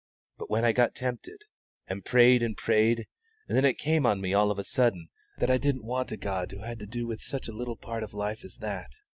But when I got tempted, and prayed and prayed, then it came on me all of a sudden that I didn't want a God who had to do with such a little part of life as that.